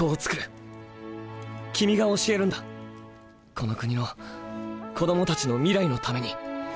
この国の子供たちの未来のために。